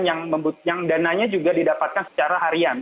yang dananya juga didapatkan secara harian